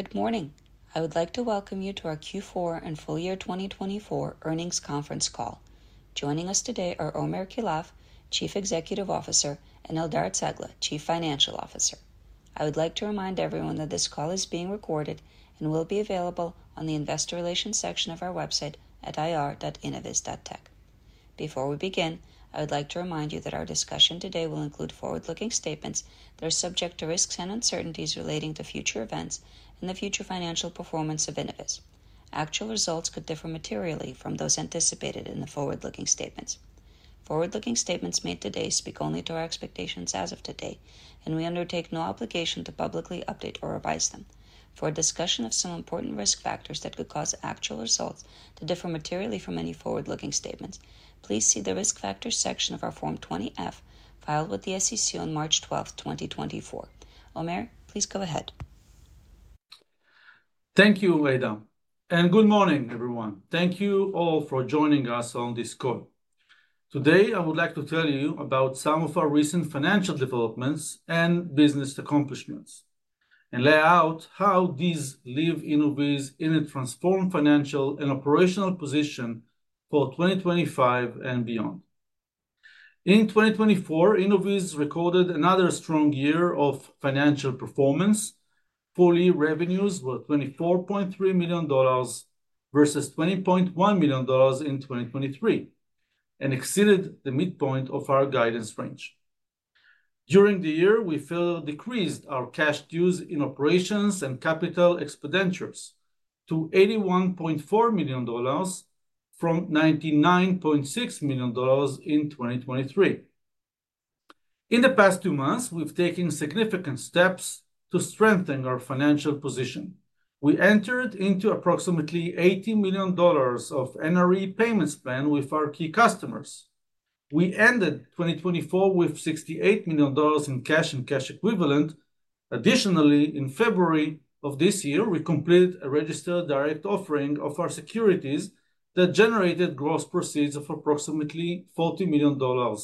Good morning. I would like to welcome you to our Q4 and full year 2024 earnings conference call. Joining us today are Omer Keilaf, Chief Executive Officer, and Eldar Cegla, Chief Financial Officer. I would like to remind everyone that this call is being recorded and will be available on the investor relations section of our website at ir.innoviz.tech. Before we begin, I would like to remind you that our discussion today will include forward-looking statements that are subject to risks and uncertainties relating to future events and the future financial performance of Innoviz. Actual results could differ materially from those anticipated in the forward-looking statements. Forward-looking statements made today speak only to our expectations as of today, and we undertake no obligation to publicly update or revise them. For a discussion of some important risk factors that could cause actual results to differ materially from any forward-looking statements, please see the risk factors section of our Form 20-F filed with the SEC on March 12th, 2024. Omer, please go ahead. Thank you, Ada, and good morning, everyone. Thank you all for joining us on this call. Today, I would like to tell you about some of our recent financial developments and business accomplishments, and lay out how these leave Innoviz in a transformed financial and operational position for 2025 and beyond. In 2024, Innoviz recorded another strong year of financial performance. Quarterly revenues were $24.3 million versus $20.1 million in 2023, and exceeded the midpoint of our guidance range. During the year, we further decreased our cash used in operations and capital expenditures to $81.4 million from $99.6 million in 2023. In the past two months, we've taken significant steps to strengthen our financial position. We entered into approximately $80 million of NRE payments plan with our key customers. We ended 2024 with $68 million in cash and cash equivalents. Additionally, in February of this year, we completed a registered direct offering of our securities that generated gross proceeds of approximately $40 million.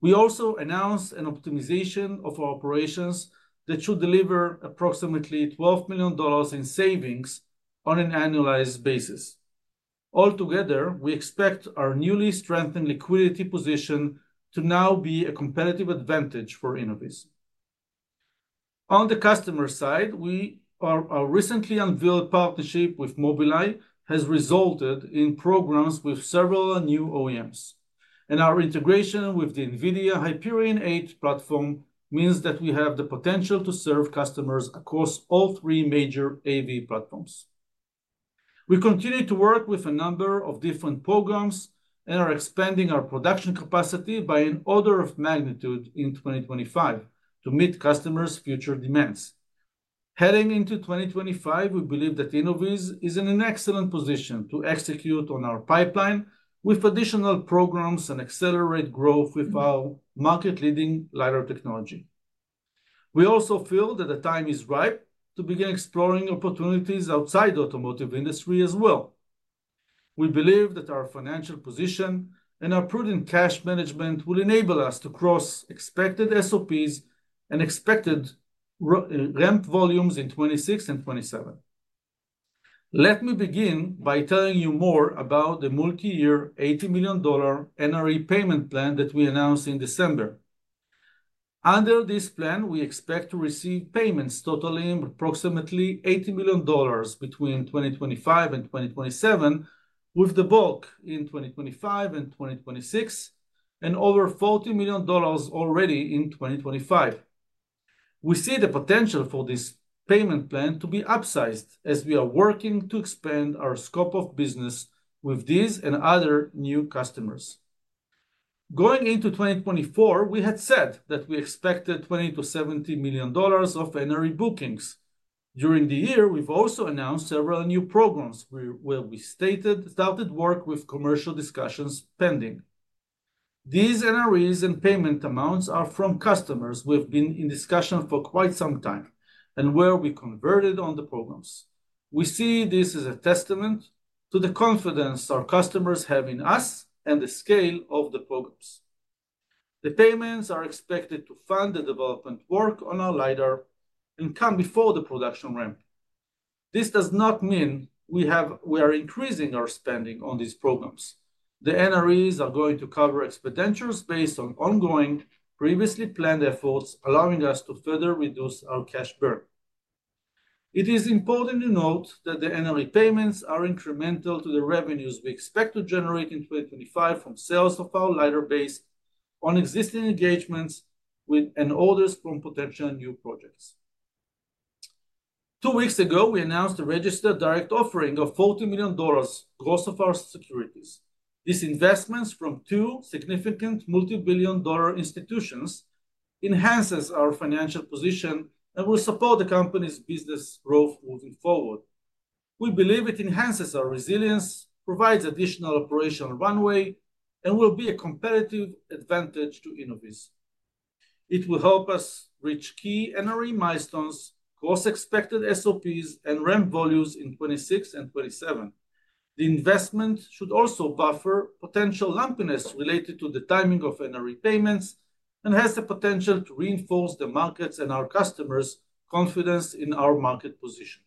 We also announced an optimization of our operations that should deliver approximately $12 million in savings on an annualized basis. Altogether, we expect our newly strengthened liquidity position to now be a competitive advantage for Innoviz. On the customer side, our recently unveiled partnership with Mobileye has resulted in programs with several new OEMs, and our integration with the NVIDIA Hyperion 8 platform means that we have the potential to serve customers across all three major AV platforms. We continue to work with a number of different programs and are expanding our production capacity by an order of magnitude in 2025 to meet customers' future demands. Heading into 2025, we believe that Innoviz is in an excellent position to execute on our pipeline with additional programs and accelerate growth with our market-leading LiDAR technology. We also feel that the time is ripe to begin exploring opportunities outside the automotive industry as well. We believe that our financial position and our prudent cash management will enable us to cross expected SOPs and expected ramp volumes in 2026 and 2027. Let me begin by telling you more about the multi-year $80 million NRE payment plan that we announced in December. Under this plan, we expect to receive payments totaling approximately $80 million between 2025 and 2027, with the bulk in 2025 and 2026, and over $40 million already in 2025. We see the potential for this payment plan to be upsized as we are working to expand our scope of business with these and other new customers. Going into 2024, we had said that we expected $20-$70 million of NRE bookings. During the year, we've also announced several new programs where we stated we started work with commercial discussions pending. These NREs and payment amounts are from customers who have been in discussion for quite some time and where we converted on the programs. We see this as a testament to the confidence our customers have in us and the scale of the programs. The payments are expected to fund the development work on our LiDAR and come before the production ramp. This does not mean we are increasing our spending on these programs. The NREs are going to cover expenditures based on ongoing previously planned efforts, allowing us to further reduce our cash burn. It is important to note that the NRE payments are incremental to the revenues we expect to generate in 2025 from sales of our LiDARs based on existing engagements and orders from potential new projects. Two weeks ago, we announced a registered direct offering of $40 million gross of our securities. This investment from two significant multi-billion-dollar institutions enhances our financial position and will support the company's business growth moving forward. We believe it enhances our resilience, provides additional operational runway, and will be a competitive advantage to Innoviz. It will help us reach key NRE milestones, cross expected SOPs, and ramp volumes in 2026 and 2027. The investment should also buffer potential lumpiness related to the timing of NRE payments and has the potential to reinforce the markets and our customers' confidence in our market position.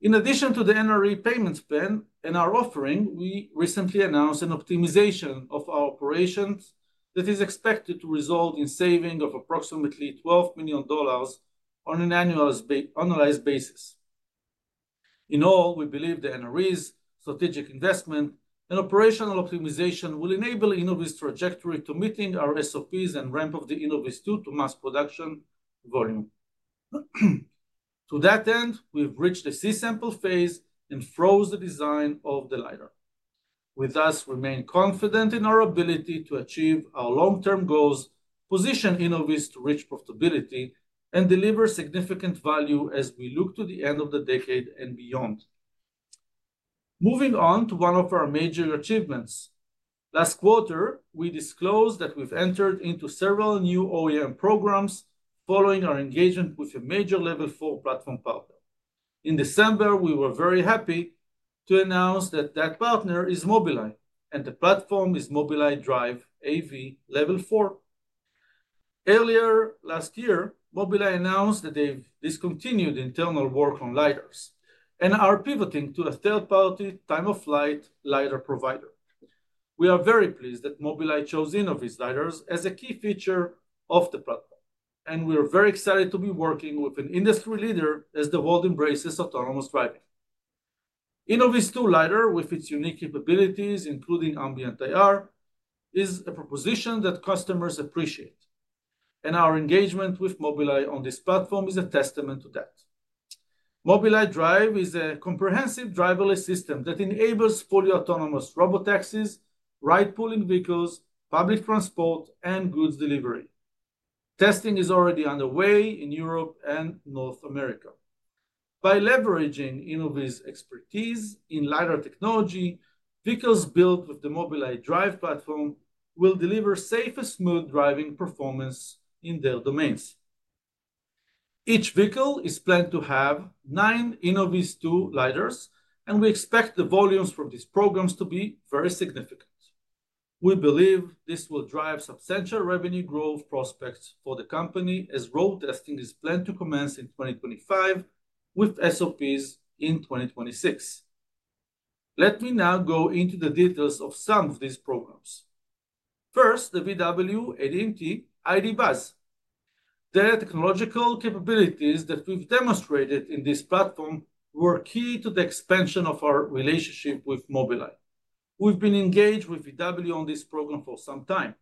In addition to the NRE payments plan and our offering, we recently announced an optimization of our operations that is expected to result in saving of approximately $12 million on an annualized basis. In all, we believe the NREs, strategic investment, and operational optimization will enable Innoviz's trajectory to meeting our SOPs and ramp of the InnovizTwo to mass production volume. To that end, we've reached the C-sample phase and froze the design of the LiDAR. We thus remain confident in our ability to achieve our long-term goals, position Innoviz to reach profitability, and deliver significant value as we look to the end of the decade and beyond. Moving on to one of our major achievements. Last quarter, we disclosed that we've entered into several new OEM programs following our engagement with a major Level 4 platform partner. In December, we were very happy to announce that partner is Mobileye, and the platform is Mobileye Drive AV Level 4. Earlier last year, Mobileye announced that they've discontinued internal work on LiDARs and are pivoting to a third-party time-of-flight LiDAR provider. We are very pleased that Mobileye chose Innoviz LiDARs as a key feature of the platform, and we are very excited to be working with an industry leader as the world embraces autonomous driving. InnovizTwo LiDAR, with its unique capabilities, including ambient IR, is a proposition that customers appreciate, and our engagement with Mobileye on this platform is a testament to that. Mobileye Drive is a comprehensive driverless system that enables fully autonomous robotaxis, ride-hailing vehicles, public transport, and goods delivery. Testing is already underway in Europe and North America. By leveraging Innoviz's expertise in LiDAR technology, vehicles built with the Mobileye Drive platform will deliver safe and smooth driving performance in their domains. Each vehicle is planned to have nine InnovizTwo LiDARs, and we expect the volumes from these programs to be very significant. We believe this will drive substantial revenue growth prospects for the company as road testing is planned to commence in 2025 with SOPs in 2026. Let me now go into the details of some of these programs. First, the VW ADMT ID. Buzz. The technological capabilities that we've demonstrated in this platform were key to the expansion of our relationship with Mobileye. We've been engaged with VW on this program for some time.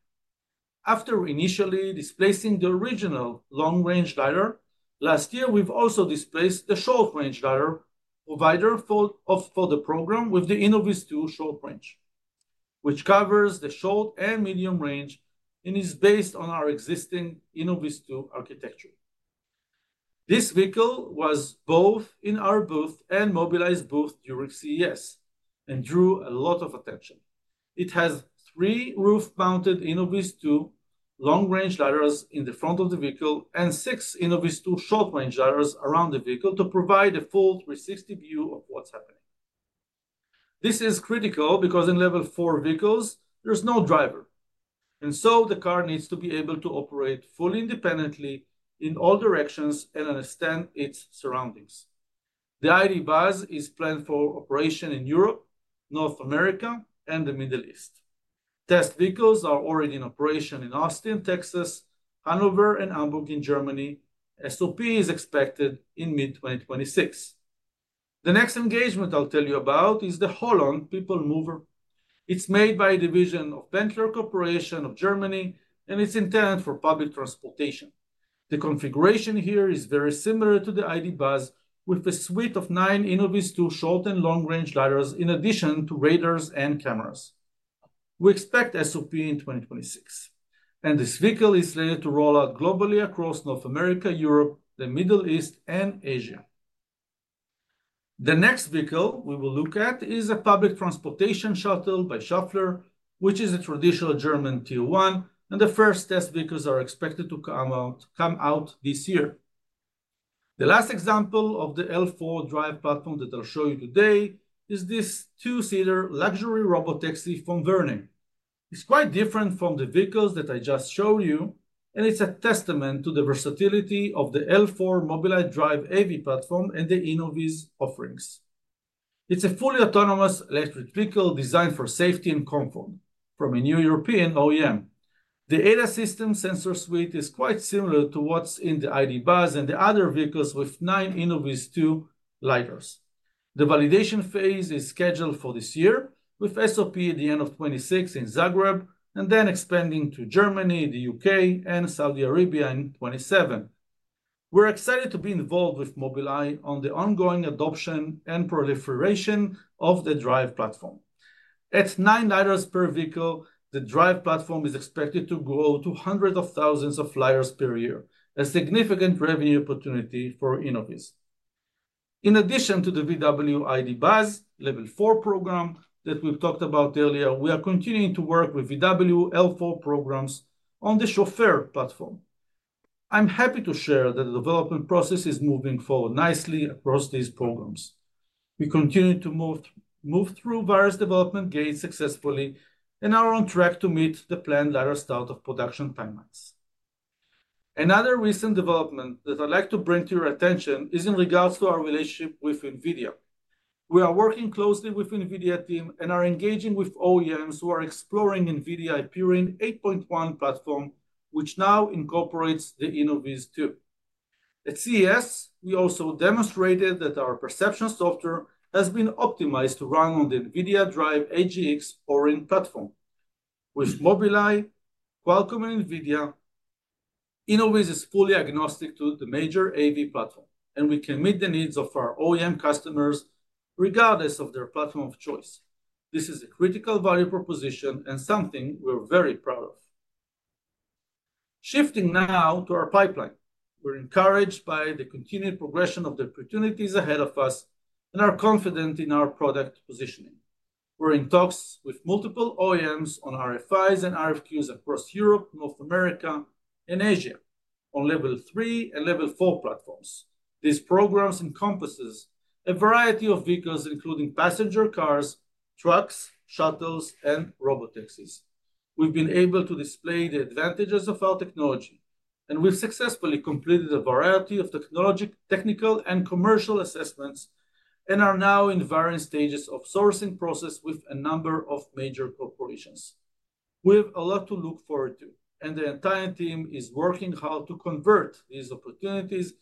After initially displacing the original long-range LiDAR, last year, we've also displaced the short-range LiDAR provider for the program with the InnovizTwo Short Range, which covers the short and medium range and is based on our existing InnovizTwo architecture. This vehicle was both in our booth and Mobileye's booth during CES and drew a lot of attention. It has three roof-mounted InnovizTwo long-range LiDARs in the front of the vehicle and six InnovizTwo short-range LiDARs around the vehicle to provide a full 360 view of what's happening. This is critical because in Level 4 vehicles, there's no driver, and so the car needs to be able to operate fully independently in all directions and understand its surroundings. The ID. Buzz is planned for operation in Europe, North America, and the Middle East. Test vehicles are already in operation in Austin, Texas, Hanover, and Hamburg in Germany. SOP is expected in mid-2026. The next engagement I'll tell you about is the HOLON People Mover. It's made by a division of Benteler Group of Germany, and it's intended for public transportation. The configuration here is very similar to the ID. Buzz, with a suite of nine InnovizTwo short- and long-range LiDARs in addition to radars and cameras. We expect SOP in 2026, and this vehicle is slated to roll out globally across North America, Europe, the Middle East, and Asia. The next vehicle we will look at is a public transportation shuttle by Schaeffler, which is a traditional German Tier 1, and the first test vehicles are expected to come out this year. The last example of the L4 Drive platform that I'll show you today is this two-seater luxury robotaxi from Verne. It's quite different from the vehicles that I just showed you, and it's a testament to the versatility of the L4 Mobileye Drive AV platform and the Innoviz offerings. It's a fully autonomous electric vehicle designed for safety and comfort from a new European OEM. The ADAS system sensor suite is quite similar to what's in the ID. Buzz and the other vehicles with nine InnovizTwo LiDARs. The validation phase is scheduled for this year, with SOP at the end of 2026 in Zagreb and then expanding to Germany, the U.K., and Saudi Arabia in 2027. We're excited to be involved with Mobileye on the ongoing adoption and proliferation of the Drive platform. At nine LiDARs per vehicle, the Drive platform is expected to grow to hundreds of thousands of LiDARs per year, a significant revenue opportunity for Innoviz. In addition to the VW ID. Buzz Level 4 program that we've talked about earlier, we are continuing to work with VW L4 programs on the Chauffeur platform. I'm happy to share that the development process is moving forward nicely across these programs. We continue to move through various development gates successfully and are on track to meet the planned LiDAR start of production timelines. Another recent development that I'd like to bring to your attention is in regards to our relationship with NVIDIA. We are working closely with the NVIDIA team and are engaging with OEMs who are exploring NVIDIA Hyperion 8.1 platform, which now incorporates the InnovizTwo. At CES, we also demonstrated that our perception software has been optimized to run on the NVIDIA DRIVE AGX Orin platform. With Mobileye, Qualcomm, and NVIDIA, Innoviz is fully agnostic to the major AV platform, and we can meet the needs of our OEM customers regardless of their platform of choice. This is a critical value proposition and something we're very proud of. Shifting now to our pipeline, we're encouraged by the continued progression of the opportunities ahead of us and are confident in our product positioning. We're in talks with multiple OEMs on RFIs and RFQs across Europe, North America, and Asia on Level 3 and Level 4 platforms. These programs encompass a variety of vehicles, including passenger cars, trucks, shuttles, and robotaxis. We've been able to display the advantages of our technology, and we've successfully completed a variety of technical and commercial assessments and are now in varying stages of sourcing process with a number of major corporations. We have a lot to look forward to, and the entire team is working hard to convert these opportunities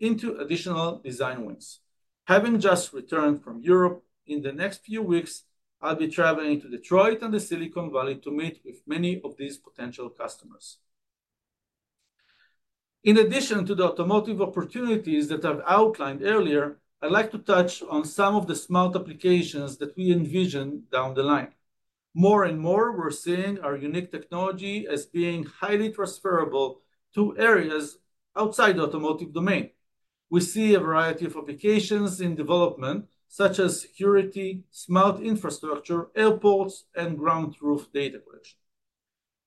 into additional design wins. Having just returned from Europe, in the next few weeks, I'll be traveling to Detroit and the Silicon Valley to meet with many of these potential customers. In addition to the automotive opportunities that I've outlined earlier, I'd like to touch on some of the smart applications that we envision down the line. More and more, we're seeing our unique technology as being highly transferable to areas outside the automotive domain. We see a variety of applications in development, such as security, smart infrastructure, airports, and ground-roof data collection.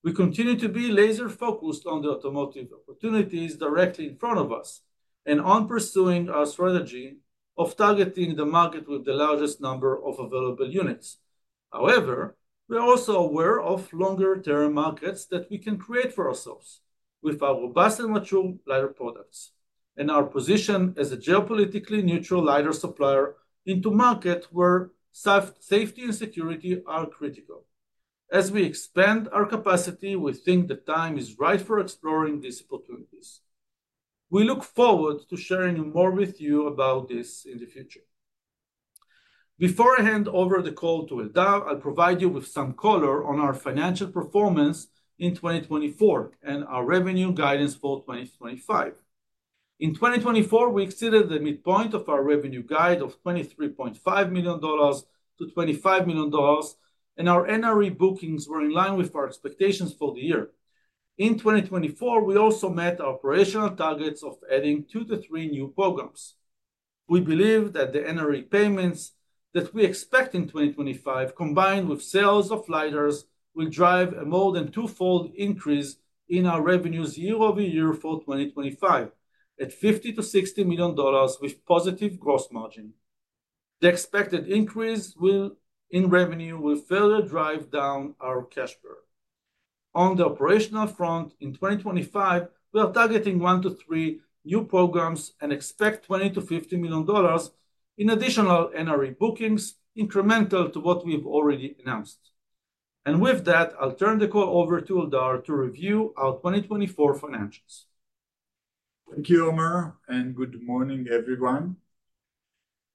We continue to be laser-focused on the automotive opportunities directly in front of us and on pursuing our strategy of targeting the market with the largest number of available units. However, we're also aware of longer-term markets that we can create for ourselves with our robust and mature LiDAR products and our position as a geopolitically neutral LiDAR supplier into markets where safety and security are critical. As we expand our capacity, we think the time is right for exploring these opportunities. We look forward to sharing more with you about this in the future. Before I hand over the call to Eldar, I'll provide you with some color on our financial performance in 2024 and our revenue guidance for 2025. In 2024, we exceeded the midpoint of our revenue guide of $23.5 million-$25 million, and our NRE bookings were in line with our expectations for the year. In 2024, we also met our operational targets of adding two to three new programs. We believe that the NRE payments that we expect in 2025, combined with sales of LiDARs, will drive a more than twofold increase in our revenues year over year for 2025 at $50-$60 million with positive gross margin. The expected increase in revenue will further drive down our cash burden. On the operational front, in 2025, we are targeting one to three new programs and expect $20-$50 million in additional NRE bookings, incremental to what we've already announced. And with that, I'll turn the call over to Eldar to review our 2024 financials. Thank you, Omer, and good morning, everyone.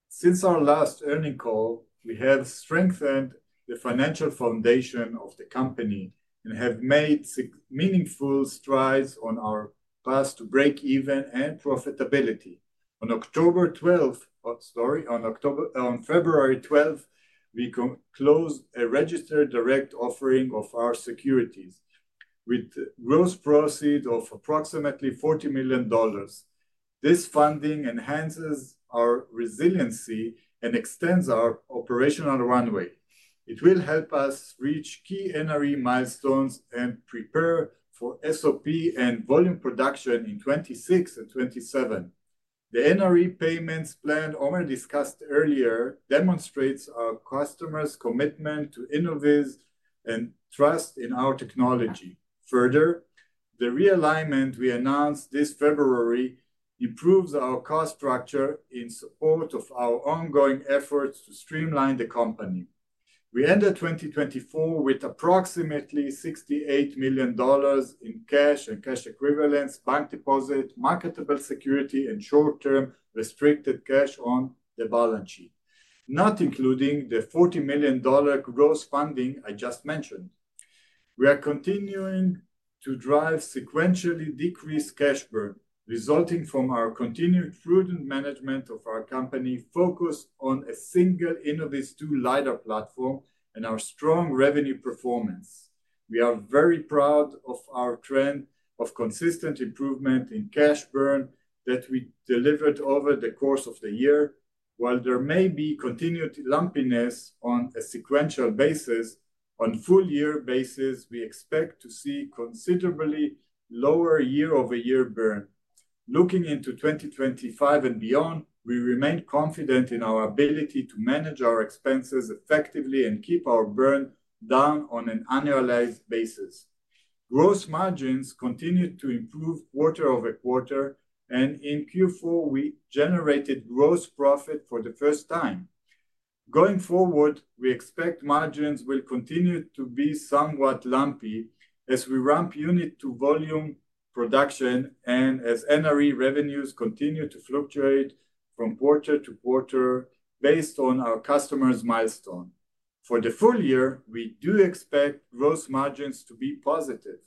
Since our last earnings call, we have strengthened the financial foundation of the company and have made meaningful strides on our path to breakeven and profitability. On October 12, sorry, on February 12, we closed a registered direct offering of our securities with gross proceeds of approximately $40 million. This funding enhances our resiliency and extends our operational runway. It will help us reach key NRE milestones and prepare for SOP and volume production in 2026 and 2027. The NRE payments plan Omer discussed earlier demonstrates our customers' commitment to Innoviz and trust in our technology. Further, the realignment we announced this February improves our cost structure in support of our ongoing efforts to streamline the company. We ended 2024 with approximately $68 million in cash and cash equivalents, bank deposit, marketable security, and short-term restricted cash on the balance sheet, not including the $40 million gross funding I just mentioned. We are continuing to drive sequentially decreased cash burden resulting from our continued prudent management of our company focused on a single InnovizTwo LiDAR platform and our strong revenue performance. We are very proud of our trend of consistent improvement in cash burn that we delivered over the course of the year. While there may be continued lumpiness on a sequential basis, on a full-year basis, we expect to see considerably lower year-over-year burn. Looking into 2025 and beyond, we remain confident in our ability to manage our expenses effectively and keep our burn down on an annualized basis. Gross margins continue to improve quarter over quarter, and in Q4, we generated gross profit for the first time. Going forward, we expect margins will continue to be somewhat lumpy as we ramp unit to volume production and as NRE revenues continue to fluctuate from quarter to quarter based on our customers' milestone. For the full year, we do expect gross margins to be positive.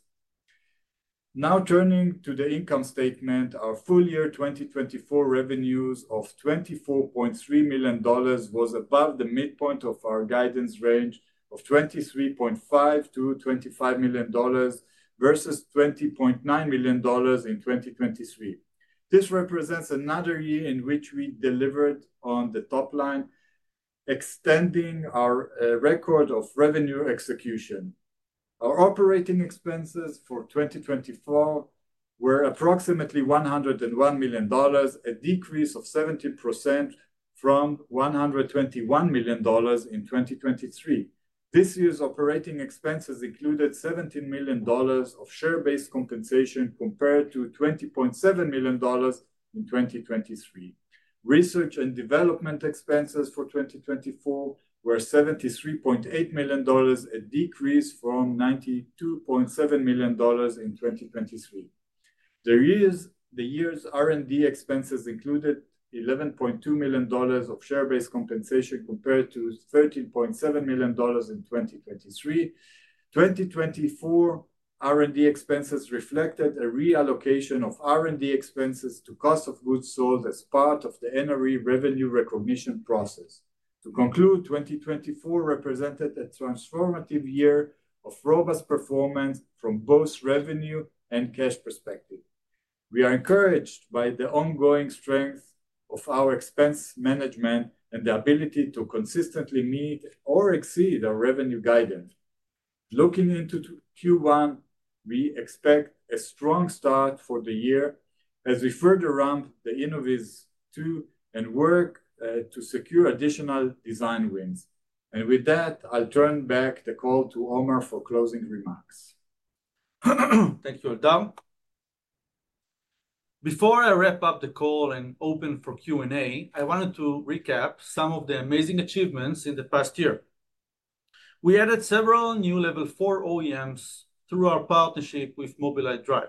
Now turning to the income statement, our full year 2024 revenues of $24.3 million was above the midpoint of our guidance range of $23.5-$25 million versus $20.9 million in 2023. This represents another year in which we delivered on the top line, extending our record of revenue execution. Our operating expenses for 2024 were approximately $101 million, a decrease of 70% from $121 million in 2023. This year's operating expenses included $17 million of share-based compensation compared to $20.7 million in 2023. Research and development expenses for 2024 were $73.8 million, a decrease from $92.7 million in 2023. The year's R&D expenses included $11.2 million of share-based compensation compared to $13.7 million in 2023. 2024 R&D expenses reflected a reallocation of R&D expenses to cost of goods sold as part of the NRE revenue recognition process. To conclude, 2024 represented a transformative year of robust performance from both revenue and cash perspective. We are encouraged by the ongoing strength of our expense management and the ability to consistently meet or exceed our revenue guidance. Looking into Q1, we expect a strong start for the year as we further ramp the InnovizTwo and work to secure additional design wins. And with that, I'll turn back the call to Omer for closing remarks. Thank you, Eldar. Before I wrap up the call and open for Q&A, I wanted to recap some of the amazing achievements in the past year. We added several new Level 4 OEMs through our partnership with Mobileye Drive.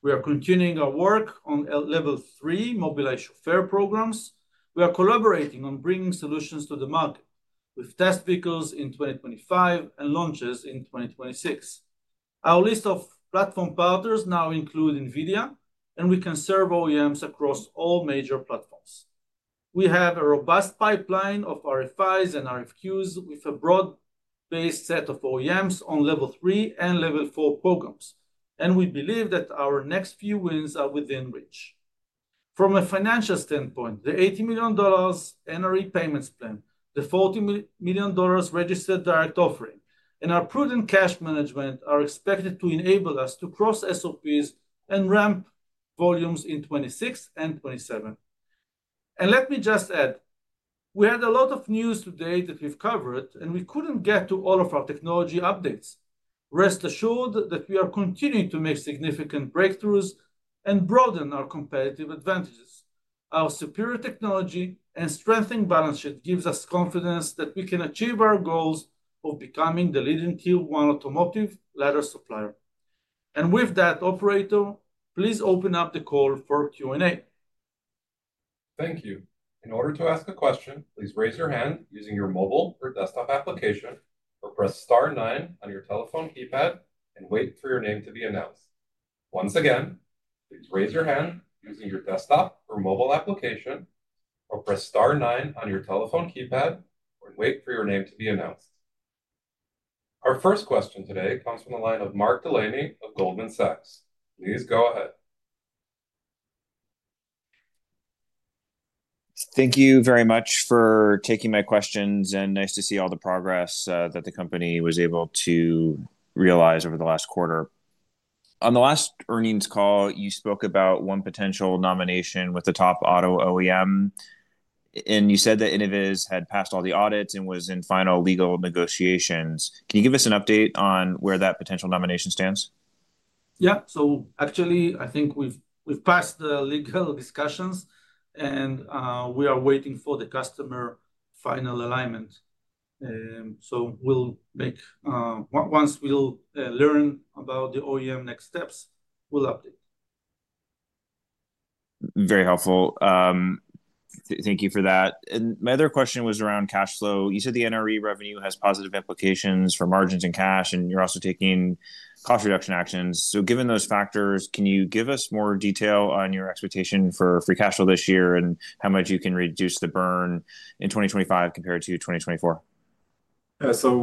We are continuing our work on Level 3 Mobileye Chauffeur programs. We are collaborating on bringing solutions to the market with test vehicles in 2025 and launches in 2026. Our list of platform partners now includes NVIDIA, and we can serve OEMs across all major platforms. We have a robust pipeline of RFIs and RFQs with a broad-based set of OEMs on Level 3 and Level 4 programs, and we believe that our next few wins are within reach. From a financial standpoint, the $80 million NRE payments plan, the $40 million registered direct offering, and our prudent cash management are expected to enable us to cross SOPs and ramp volumes in 2026 and 2027. And let me just add, we had a lot of news today that we've covered, and we couldn't get to all of our technology updates. Rest assured that we are continuing to make significant breakthroughs and broaden our competitive advantages. Our superior technology and strengthened balance sheet gives us confidence that we can achieve our goals of becoming the leading Tier 1 automotive LiDAR supplier. And with that, operator, please open up the call for Q&A. Thank you. In order to ask a question, please raise your hand using your mobile or desktop application or press Star 9 on your telephone keypad and wait for your name to be announced. Once again, please raise your hand using your desktop or mobile application or press Star 9 on your telephone keypad and wait for your name to be announced. Our first question today comes from the line of Mark Delaney of Goldman Sachs. Please go ahead. Thank you very much for taking my questions, and nice to see all the progress that the company was able to realize over the last quarter. On the last earnings call, you spoke about one potential nomination with the top auto OEM, and you said that Innoviz had passed all the audits and was in final legal negotiations. Can you give us an update on where that potential nomination stands? Yeah. So actually, I think we've passed the legal discussions, and we are waiting for the customer final alignment. So once we'll learn about the OEM next steps, we'll update. Very helpful. Thank you for that. And my other question was around cash flow. You said the NRE revenue has positive implications for margins and cash, and you're also taking cost reduction actions. So given those factors, can you give us more detail on your expectation for free cash flow this year and how much you can reduce the burn in 2025 compared to 2024? So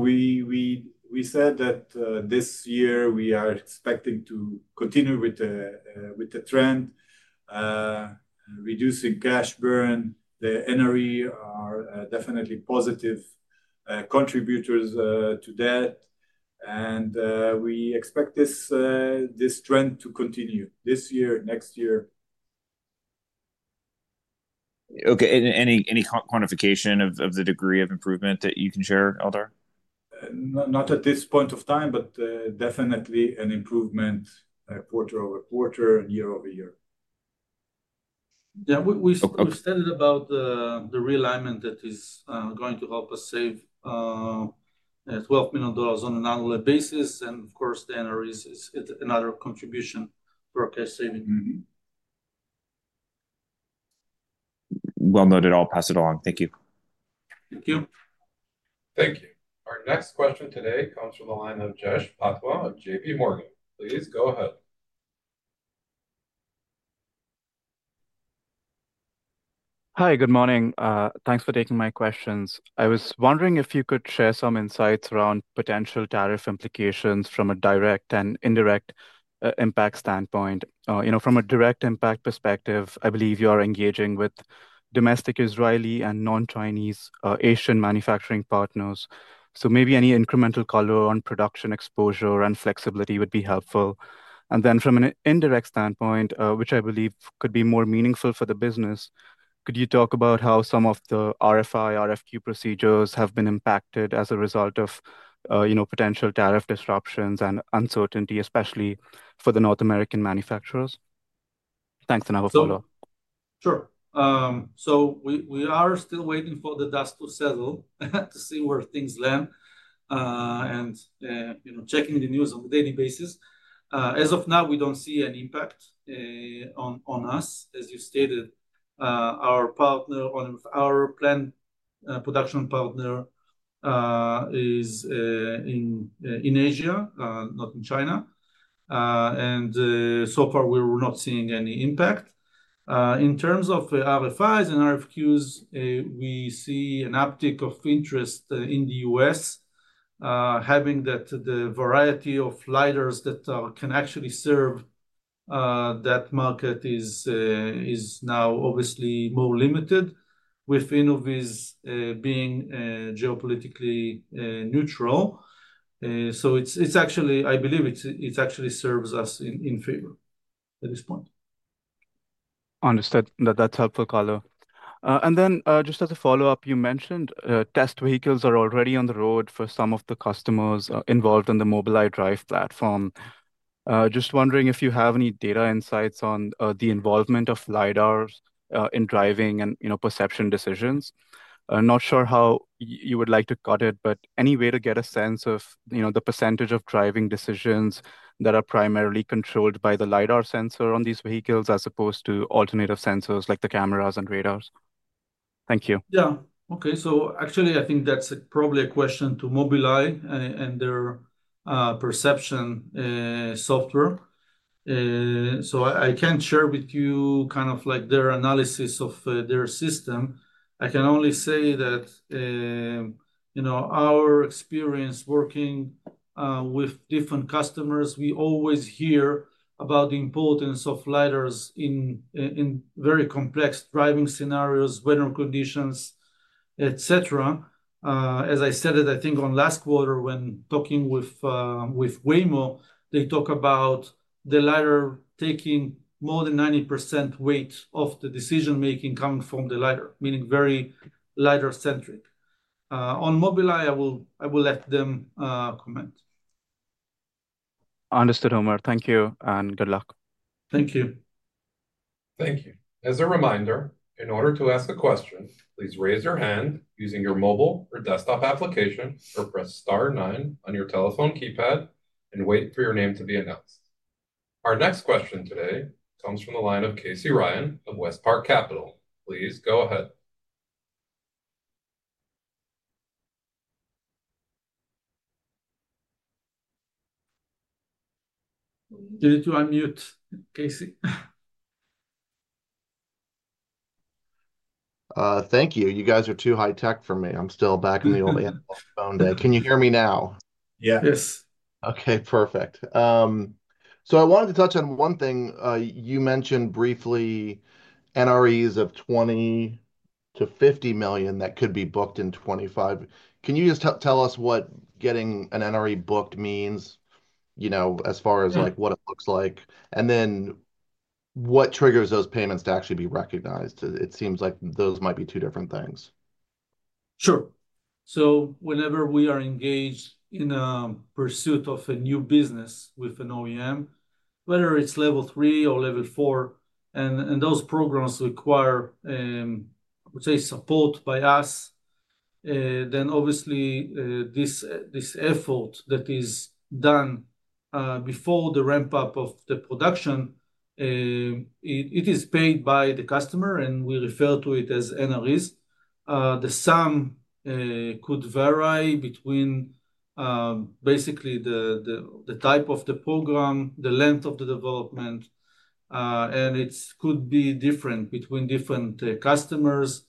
we said that this year we are expecting to continue with the trend, reducing cash burn. The NRE are definitely positive contributors to that, and we expect this trend to continue this year, next year. Okay. Any quantification of the degree of improvement that you can share, Eldar? Not at this point of time, but definitely an improvement quarter over quarter, year over year. Yeah. We stated about the realignment that is going to help us save $12 million on an annual basis. And of course, the NRE is another contribution for cash saving. Well noted, all. Pass it along. Thank you. Thank you. Thank you. Our next question today comes from the line of Jash Patwa of J.P. Morgan. Please go ahead. Hi, good morning. Thanks for taking my questions. I was wondering if you could share some insights around potential tariff implications from a direct and indirect impact standpoint. From a direct impact perspective, I believe you are engaging with domestic Israeli and non-Chinese Asian manufacturing partners. So maybe any incremental color on production exposure and flexibility would be helpful. And then from an indirect standpoint, which I believe could be more meaningful for the business, could you talk about how some of the RFI, RFQ procedures have been impacted as a result of potential tariff disruptions and uncertainty, especially for the North American manufacturers? Thanks, and I will follow. Sure. So we are still waiting for the dust to settle, to see where things land, and checking the news on a daily basis. As of now, we don't see any impact on us. As you stated, our planned production partner is in Asia, not in China. And so far, we were not seeing any impact. In terms of RFIs and RFQs, we see an uptick of interest in the U.S., having that the variety of LiDARs that can actually serve that market is now obviously more limited with Innoviz being geopolitically neutral. So I believe it actually serves us in favor at this point. Understood. That's helpful, Carlo. And then just as a follow-up, you mentioned test vehicles are already on the road for some of the customers involved in the Mobileye Drive platform. Just wondering if you have any data insights on the involvement of LiDARs in driving and perception decisions. Not sure how you would like to cut it, but any way to get a sense of the percentage of driving decisions that are primarily controlled by the LiDAR sensor on these vehicles as opposed to alternative sensors like the cameras and radars? Thank you. Yeah. Okay. So actually, I think that's probably a question to Mobileye and their perception software. So I can't share with you kind of their analysis of their system. I can only say that our experience working with different customers, we always hear about the importance of LiDARs in very complex driving scenarios, weather conditions, etc. As I said, I think on last quarter, when talking with Waymo, they talk about the LiDAR taking more than 90% weight of the decision-making coming from the LiDAR, meaning very LiDAR-centric. On Mobileye, I will let them comment. Understood, Omer. Thank you, and good luck. Thank you. Thank you. As a reminder, in order to ask a question, please raise your hand using your mobile or desktop application or press Star 9 on your telephone keypad and wait for your name to be announced. Our next question today comes from the line of Casey Ryan of WestPark Capital. Please go ahead. Did you unmute, Casey? Thank you. You guys are too high-tech for me. I'm still back in the old hands-on phone day. Can you hear me now? Yeah. Yes. Okay. Perfect. So I wanted to touch on one thing. You mentioned briefly NREs of $20 million-$50 million that could be booked in 2025. Can you just tell us what getting an NRE booked means as far as what it looks like? And then what triggers those payments to actually be recognized? It seems like those might be two different things. Sure. So whenever we are engaged in a pursuit of a new business with an OEM, whether it's Level 3 or Level 4, and those programs require, I would say, support by us, then obviously this effort that is done before the ramp-up of the production, it is paid by the customer, and we refer to it as NREs. The sum could vary between basically the type of the program, the length of the development, and it could be different between different customers.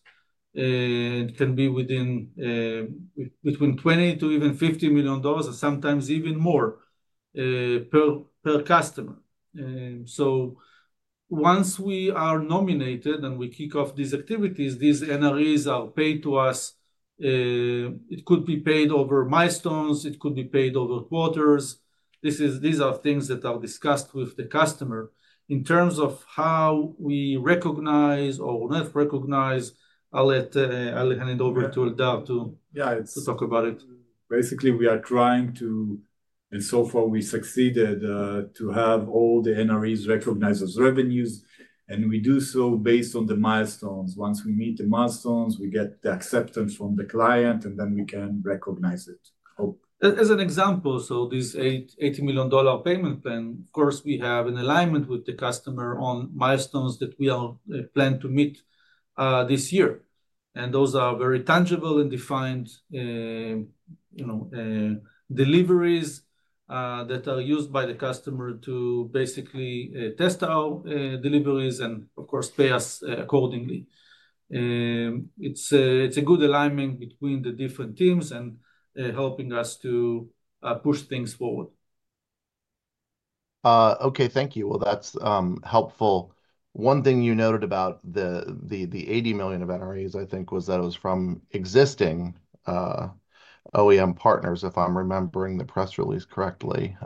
It can be between $20 million to even $50 million, sometimes even more per customer. So once we are nominated and we kick off these activities, these NREs are paid to us. It could be paid over milestones. It could be paid over quarters. These are things that are discussed with the customer in terms of how we recognize or not recognize. I'll hand it over to Eldar to talk about it. Basically, we are trying to, and so far we succeeded, to have all the NREs recognized as revenues. We do so based on the milestones. Once we meet the milestones, we get the acceptance from the client, and then we can recognize it. As an example, this $80 million payment plan, of course, we have an alignment with the customer on milestones that we plan to meet this year. Those are very tangible and defined deliveries that are used by the customer to basically test our deliveries and, of course, pay us accordingly. It's a good alignment between the different teams and helping us to push things forward. Okay. Thank you. That's helpful. One thing you noted about the $80 million of NREs, I think, was that it was from existing OEM partners, if I'm remembering the press release correctly.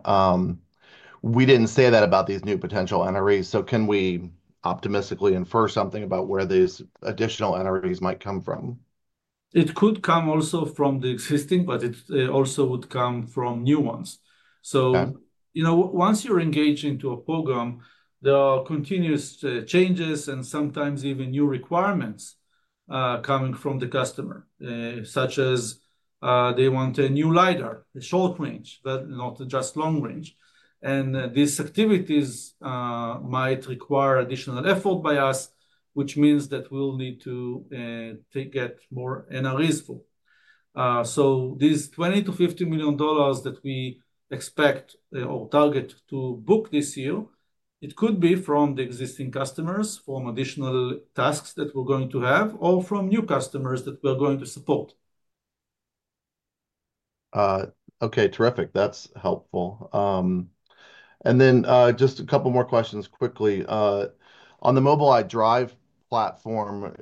We didn't say that about these new potential NREs. So can we optimistically infer something about where these additional NREs might come from? It could come also from the existing, but it also would come from new ones. So once you're engaged into a program, there are continuous changes and sometimes even new requirements coming from the customer, such as they want a new LiDAR, a short range, not just long range. And these activities might require additional effort by us, which means that we'll need to get more NREs for. These $20-$50 million that we expect or target to book this year, it could be from the existing customers, from additional tasks that we're going to have, or from new customers that we're going to support. Okay. Terrific. That's helpful. And then just a couple more questions quickly. On the Mobileye Drive platform,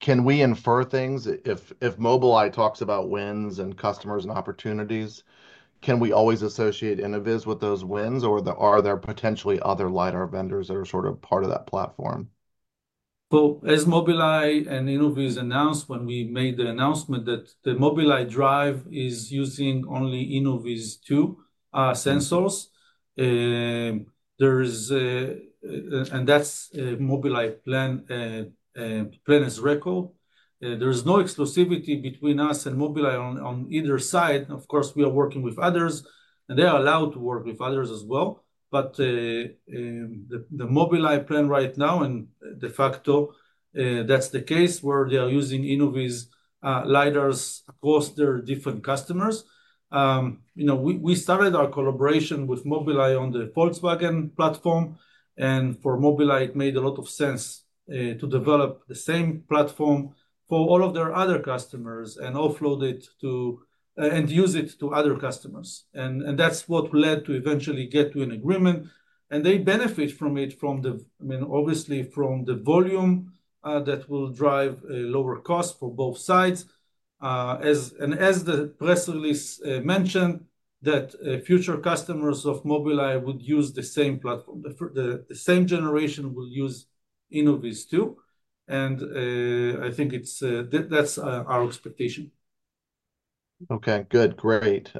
can we infer things? If Mobileye talks about wins and customers and opportunities, can we always associate Innoviz with those wins, or are there potentially other LiDAR vendors that are sort of part of that platform? Well, as Mobileye and Innoviz announced when we made the announcement that the Mobileye Drive is using only InnovizTwo sensors, and that's Mobileye's record. There is no exclusivity between us and Mobileye on either side. Of course, we are working with others, and they are allowed to work with others as well. But the Mobileye plan right now, and de facto, that's the case where they are using Innoviz LiDARs across their different customers. We started our collaboration with Mobileye on the Volkswagen platform, and for Mobileye, it made a lot of sense to develop the same platform for all of their other customers and offload it and use it to other customers. And that's what led to eventually get to an agreement. And they benefit from it, obviously, from the volume that will drive a lower cost for both sides. And as the press release mentioned, that future customers of Mobileye would use the same platform. The same generation will use InnovizTwo. And I think that's our expectation. Okay. Good. Great.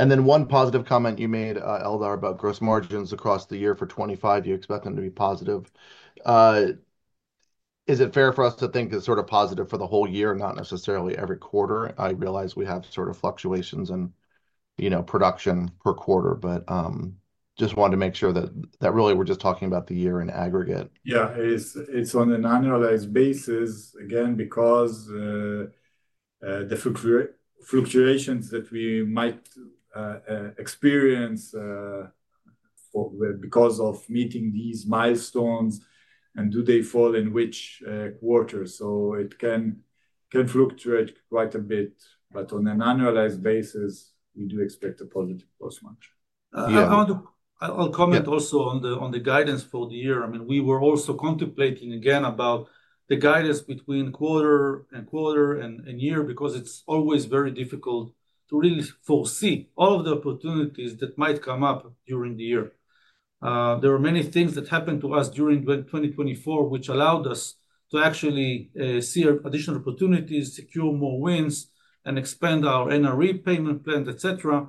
And then one positive comment you made, Eldar, about gross margins across the year for 2025, you expect them to be positive? Is it fair for us to think it's sort of positive for the whole year, not necessarily every quarter? I realize we have sort of fluctuations in production per quarter, but just wanted to make sure that really we're just talking about the year in aggregate. Yeah. It's on an annualized basis, again, because the fluctuations that we might experience because of meeting these milestones and do they fall in which quarter. So it can fluctuate quite a bit, but on an annualized basis, we do expect a positive gross margin. I'll comment also on the guidance for the year. I mean, we were also contemplating again about the guidance between quarter and quarter and year because it's always very difficult to really foresee all of the opportunities that might come up during the year. There are many things that happened to us during 2024, which allowed us to actually see additional opportunities, secure more wins, and expand our NRE payment plan, etc.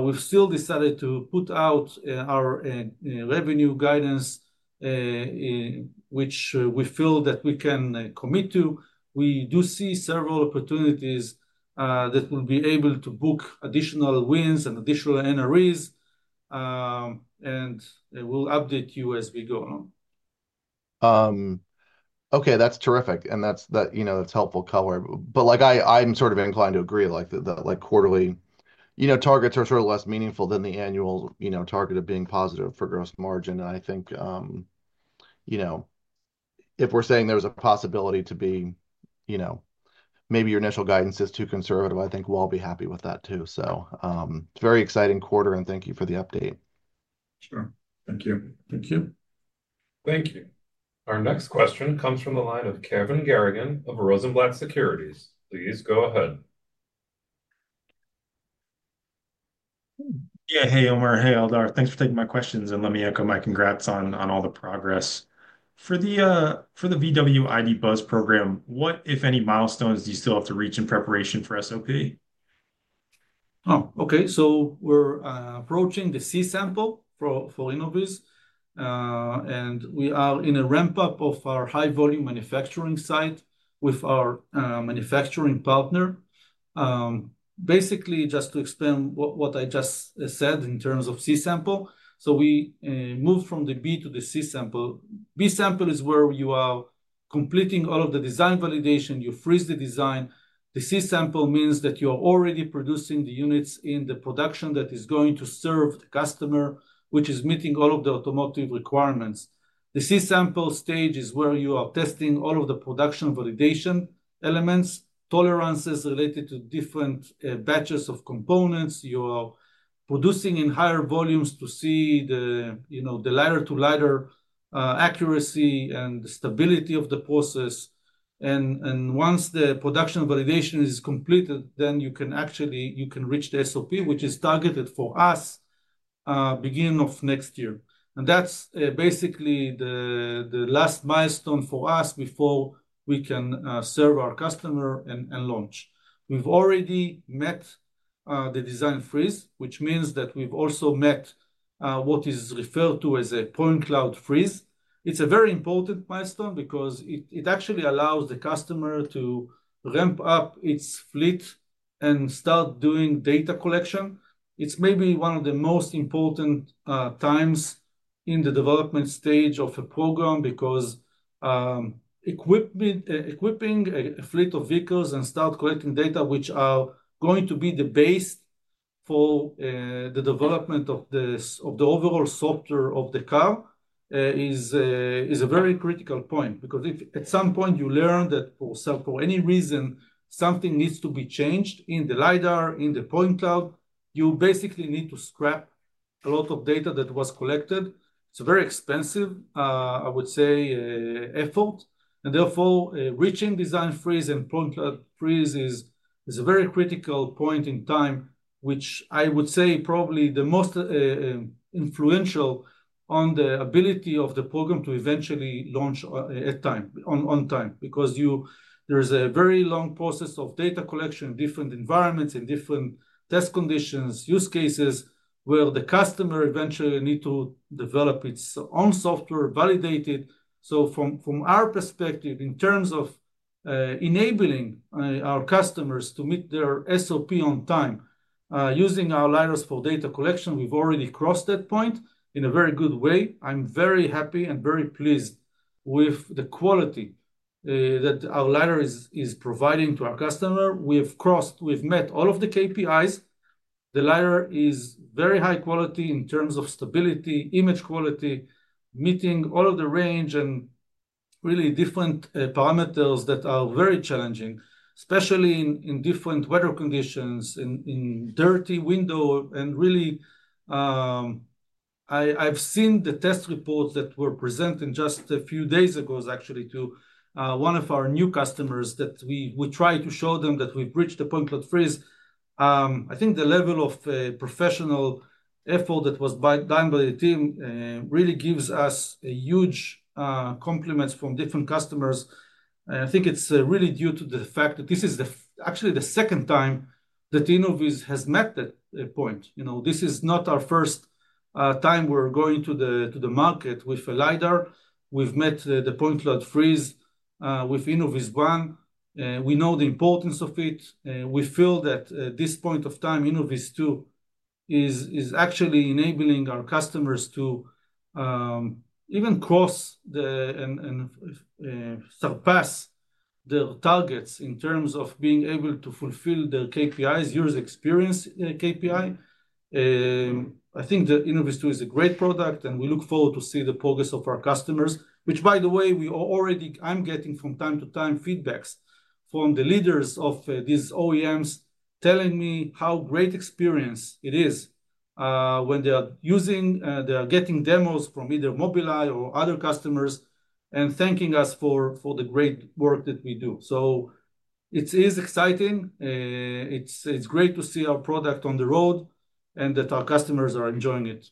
We've still decided to put out our revenue guidance, which we feel that we can commit to. We do see several opportunities that we'll be able to book additional wins and additional NREs, and we'll update you as we go along. Okay. That's terrific, and that's helpful, color, but I'm sort of inclined to agree that quarterly targets are sort of less meaningful than the annual target of being positive for gross margin, and I think if we're saying there's a possibility to be maybe your initial guidance is too conservative, I think we'll all be happy with that too, so it's a very exciting quarter, and thank you for the update. Sure. Thank you. Thank you. Thank you. Our next question comes from the line of Kevin Garrigan of Rosenblatt Securities. Please go ahead. Yeah. Hey, Omer. Hey, Eldar. Thanks for taking my questions, and let me echo my congrats on all the progress. For the VW ID. Buzz program, what, if any, milestones do you still have to reach in preparation for SOP? Oh, okay. So we're approaching the C sample for Innoviz, and we are in a ramp-up of our high-volume manufacturing site with our manufacturing partner. Basically, just to expand what I just said in terms of C sample, so we moved from the B to the C sample. B sample is where you are completing all of the design validation. You freeze the design. The C sample means that you are already producing the units in the production that is going to serve the customer, which is meeting all of the automotive requirements. The C-sample stage is where you are testing all of the production validation elements, tolerances related to different batches of components. You are producing in higher volumes to see the LiDAR to LiDAR accuracy and the stability of the process. And once the production validation is completed, then you can reach the SOP, which is targeted for us, beginning of next year. And that's basically the last milestone for us before we can serve our customer and launch. We've already met the design freeze, which means that we've also met what is referred to as a point cloud freeze. It's a very important milestone because it actually allows the customer to ramp up its fleet and start doing data collection. It's maybe one of the most important times in the development stage of a program because equipping a fleet of vehicles and start collecting data, which are going to be the base for the development of the overall software of the car, is a very critical point. Because if at some point you learn that for any reason, something needs to be changed in the LiDAR, in the point cloud, you basically need to scrap a lot of data that was collected. It's a very expensive, I would say, effort, and therefore, reaching design freeze and point cloud freeze is a very critical point in time, which I would say probably the most influential on the ability of the program to eventually launch on time. Because there is a very long process of data collection in different environments, in different test conditions, use cases where the customer eventually needs to develop its own software, validate it. So from our perspective, in terms of enabling our customers to meet their SOP on time, using our LiDARs for data collection, we've already crossed that point in a very good way. I'm very happy and very pleased with the quality that our LiDAR is providing to our customer. We've met all of the KPIs. The LiDAR is very high quality in terms of stability, image quality, meeting all of the range and really different parameters that are very challenging, especially in different weather conditions, in dirty window. Really, I've seen the test reports that were presented just a few days ago, actually, to one of our new customers that we tried to show them that we've reached the point cloud freeze. I think the level of professional effort that was done by the team really gives us huge compliments from different customers. I think it's really due to the fact that this is actually the second time that Innoviz has met that point. This is not our first time we're going to the market with a LiDAR. We've met the point cloud freeze with InnovizOne. We know the importance of it. We feel that at this point of time, InnovizTwo is actually enabling our customers to even cross and surpass their targets in terms of being able to fulfill their KPIs, years experience KPI. I think that InnovizTwo is a great product, and we look forward to seeing the progress of our customers, which, by the way, I'm getting from time to time feedbacks from the leaders of these OEMs telling me how great experience it is when they are using, they are getting demos from either Mobileye or other customers and thanking us for the great work that we do. So it is exciting. It's great to see our product on the road and that our customers are enjoying it.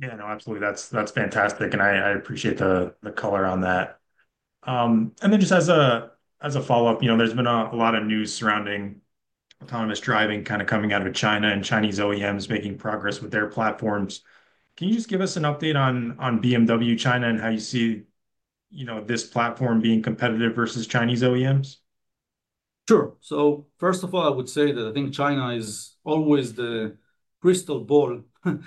Yeah. No, absolutely. That's fantastic. And I appreciate the color on that. And then just as a follow-up, there's been a lot of news surrounding autonomous driving kind of coming out of China and Chinese OEMs making progress with their platforms. Can you just give us an update on BMW China and how you see this platform being competitive versus Chinese OEMs? Sure. So first of all, I would say that I think China is always the crystal ball of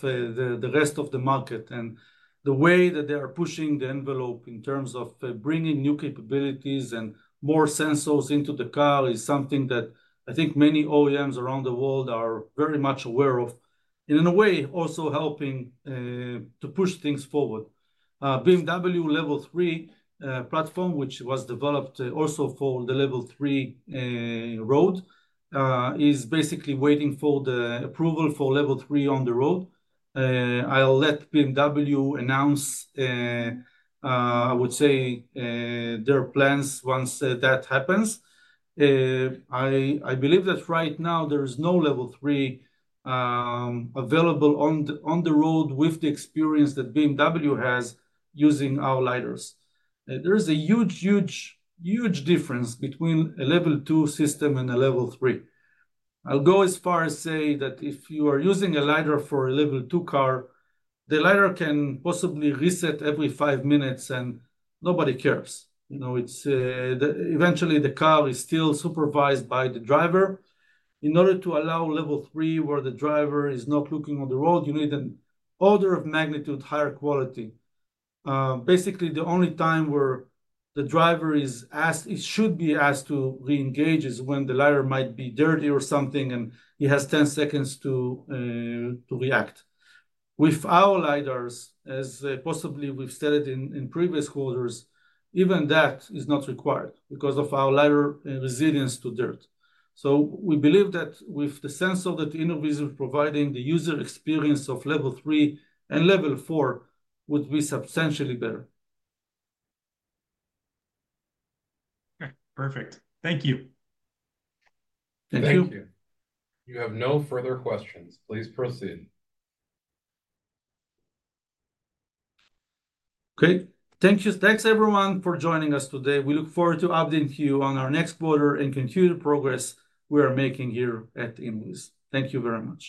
the rest of the market. And the way that they are pushing the envelope in terms of bringing new capabilities and more sensors into the car is something that I think many OEMs around the world are very much aware of. And in a way, also helping to push things forward. BMW Level 3 platform, which was developed also for the Level 3 road, is basically waiting for the approval for Level 3 on the road. I'll let BMW announce, I would say, their plans once that happens. I believe that right now, there is no Level 3 available on the road with the experience that BMW has using our LiDARs. There is a huge, huge, huge difference between a Level 2 system and a Level 3. I'll go as far as say that if you are using a LiDAR for a Level 2 car, the LiDAR can possibly reset every five minutes, and nobody cares. Eventually, the car is still supervised by the driver. In order to allow Level 3 where the driver is not looking on the road, you need an order of magnitude higher quality. Basically, the only time where the driver should be asked to re-engage is when the LiDAR might be dirty or something, and he has 10 seconds to react. With our LiDARs, as possibly we've said it in previous quarters, even that is not required because of our LiDAR resilience to dirt. So we believe that with the sensor that Innoviz is providing, the user experience of Level 3 and Level 4 would be substantially better. Okay. Perfect. Thank you. Thank you. Thank you. Thank you have no further questions. Please proceed. Okay. Thanks, everyone, for joining us today. We look forward to updating you on our next quarter and continue the progress we are making here at Innoviz. Thank you very much.